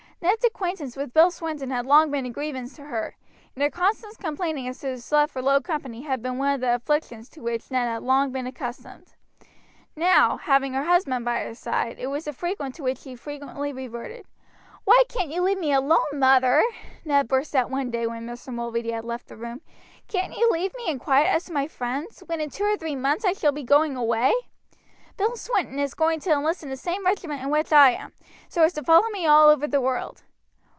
Ned's acquaintance with Bill Swinton had long been a grievance to her, and her constant complainings as to his love for low company had been one of the afflictions to which Ned had long been accustomed. Now, having her husband by her side, it was a subject to which she frequently reverted. "Why can't you leave me alone, mother?" Ned burst out one day when Mr. Mulready had left the room. "Can't you leave me in quiet as to my friends, when in two or three months I shall be going away? Bill Swinton is going to enlist in the same regiment in which I am, so as to follow me all over the world.